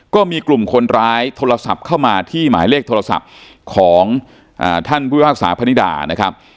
ก็มีกลุ่มคนร้ายโทรศัพท์เข้ามาที่หมายเลขโทรศัพท์ของท่านผู้พิพากษาพนิดานะครับ